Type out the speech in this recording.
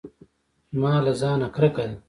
زما له ځانه کرکه ده .